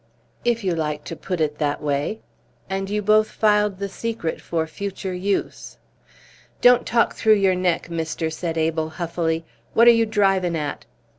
"If you like to put it that way." "And you both filed the secret for future use!" "Don't talk through your neck, mister," said Abel, huffily. "What are you drivin' at?"